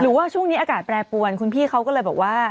ว่าช่วงนี้อากาศแปรปวนคุณพี่เขาก็เลยบอกว่า